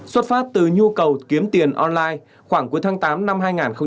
xuất phát từ nhu cầu kiếm tiền online khoảng cuối tháng tám năm hai nghìn hai mươi